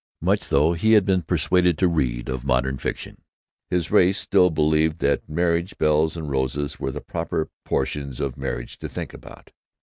Much though he had been persuaded to read of modern fiction, his race still believed that marriage bells and roses were the proper portions of marriage to think about.